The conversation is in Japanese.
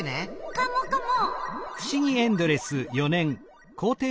カモカモ！